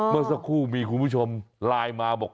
เมื่อสักครู่มีคุณผู้ชมไลน์มาบอก